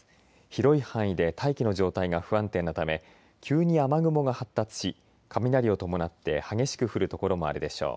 広い範囲で大気の状態が不安定なため急に雨雲が発達し雷を伴って激しく降る所もあるでしょう。